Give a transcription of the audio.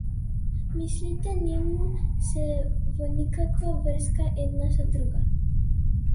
Мислите не му се во никаква врска една со друга.